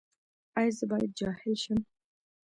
ایا زه باید جاهل شم؟